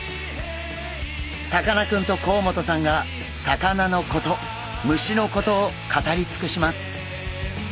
さかなクンと甲本さんが魚のこと虫のことを語り尽くします。